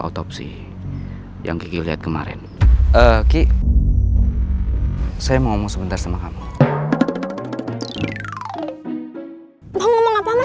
otopsi yang kelihatan kemarin oke saya mau sebentar sama kamu mau ngomong apa